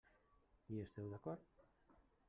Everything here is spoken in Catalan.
Hi esteu d'acord?